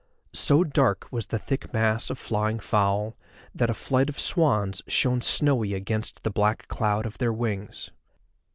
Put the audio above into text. So dark was the thick mass of flying fowl, that a flight of swans shone snowy against the black cloud of their wings.